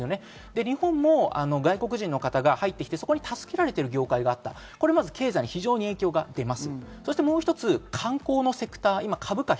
日本も外国人の方が入ってきて助けられている業界があった、経済に非常に影響が出ます。